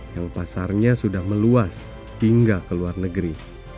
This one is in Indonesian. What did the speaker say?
yang pasarnya sudah meluas hingga ke luar negeri